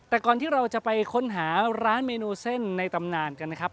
แต่ก่อนที่เราจะไปค้นหาร้านเมนูเส้นในตำนานกันนะครับ